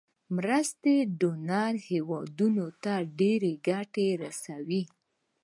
مرستې ډونر هیوادونو ته ډیره ګټه رسوي.